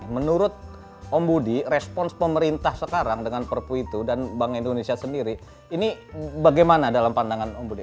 menurut om budi respons pemerintah sekarang dengan perpu itu dan bank indonesia sendiri ini bagaimana dalam pandangan om budi